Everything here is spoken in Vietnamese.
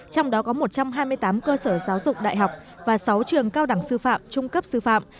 trong đó có một trăm hai mươi tám cơ sở giáo dục đại học và sáu trường cao đẳng sư phạm trung cấp sư phạm